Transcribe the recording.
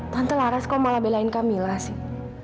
tante laras kok malah belain kamila sih